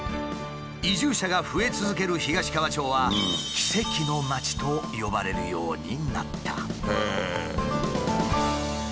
移住者が増え続ける東川町は「奇跡の町」と呼ばれるようになった。